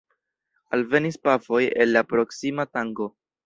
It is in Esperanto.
Alvenis pafoj el la proksima tanko.